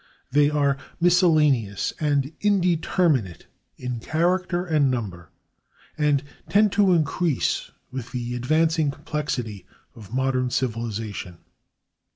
They are miscellaneous and in determinate in character and number, and tend to increase with the advancing complexity of modern civilisation.